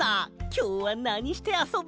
きょうはなにしてあそぶ？